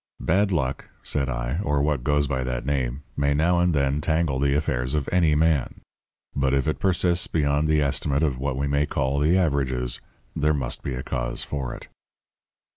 "'Bad luck,' said I, 'or what goes by that name, may now and then tangle the affairs of any man. But if it persists beyond the estimate of what we may call the "averages" there must be a cause for it.'